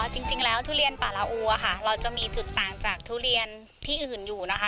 จริงแล้วทุเรียนป่าลาอูค่ะเราจะมีจุดต่างจากทุเรียนที่อื่นอยู่นะคะ